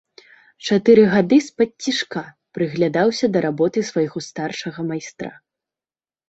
Чатыры гады спадцішка прыглядаўся да работы свайго старшага майстра.